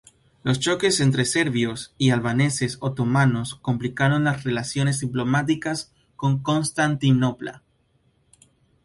Los choques entre serbios y albaneses otomanos complicaron las relaciones diplomáticas con Constantinopla.